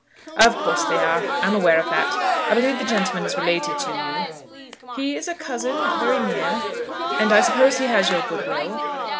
"Of course they are. I am aware of that. I believe the gentleman is related to you." "He is a cousin, not very near." "And I suppose he has your good will?"